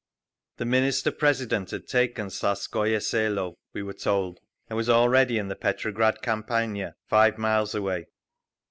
The Minister President had taken Tsarskoye Selo, we were told, and was already in the Petrograd campagna, five miles away.